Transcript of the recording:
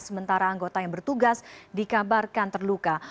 sementara anggota yang bertugas dikabarkan terluka